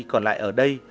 còn lại ở đây